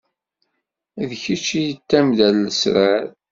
D kečč i d tamda n lesrar.